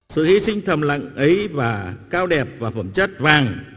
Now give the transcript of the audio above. sự hy sinh thầm lặng ấy và cao đẹp và phẩm chất vàng